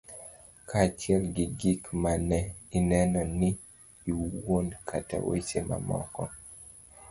kaachiel gi gik ma ne ineno in iwuon kata weche mamoko